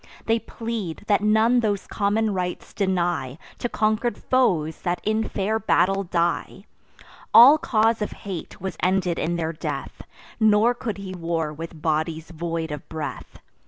They plead, that none those common rites deny To conquer'd foes that in fair battle die. All cause of hate was ended in their death; Nor could he war with bodies void of breath.